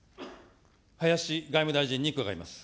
林外務大臣に伺います。